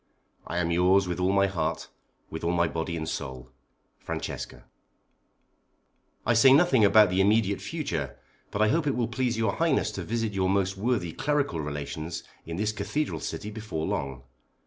I am yours with all my heart, with all my body and soul. FRANCESCA. I say nothing now about the immediate future, but I hope it will please your highness to visit your most worthy clerical relations in this cathedral city before long.